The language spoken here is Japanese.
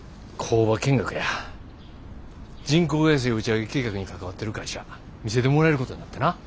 人工衛星打ち上げ計画に関わってる会社見せてもらえることになってな。